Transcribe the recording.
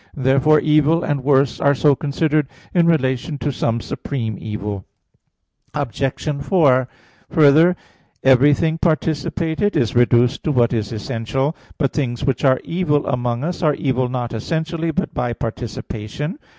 Therefore evil and worse are so considered in relation to some supreme evil. Obj. 4: Further, everything participated is reduced to what is essential. But things which are evil among us are evil not essentially, but by participation.